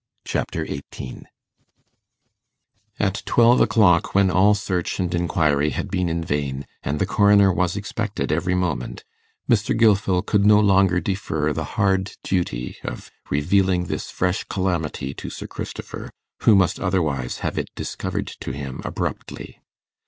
Chapter 18 At twelve o'clock, when all search and inquiry had been in vain, and the coroner was expected every moment, Mr. Gilfil could no longer defer the hard duty of revealing this fresh calamity to Sir Christopher, who must otherwise have it discovered to him abruptly.